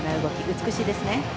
美しいですね。